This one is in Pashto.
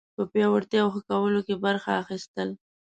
په پیاوړتیا او ښه کولو کې برخه اخیستل